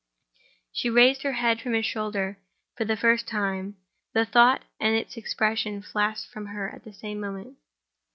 She raised her head from his shoulder for the first time. The thought and its expression flashed from her at the same moment.